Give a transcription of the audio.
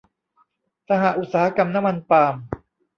สหอุตสาหกรรมน้ำมันปาล์ม